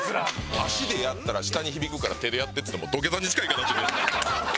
「足でやったら下に響くから手でやって」っつってもう土下座に近い形で。